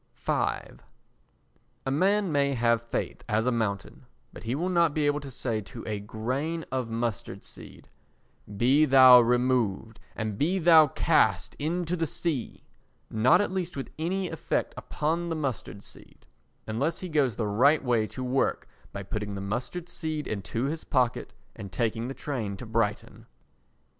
v A man may have faith as a mountain, but he will not be able to say to a grain of mustard seed: "Be thou removed, and be thou cast into the sea"—not at least with any effect upon the mustard seed—unless he goes the right way to work by putting the mustard seed into his pocket and taking the train to Brighton.